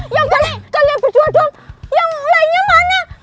yang kalian berjudul yang lainnya mana